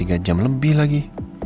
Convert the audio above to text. tiga jam lebih lagi